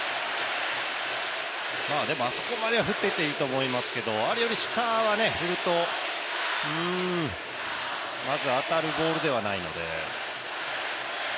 あそこまで振っていっていいと思いますけどあれより下は振ると、まず当たるボールではないので。